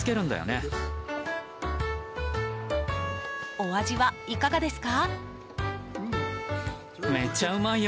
お味はいかがですか？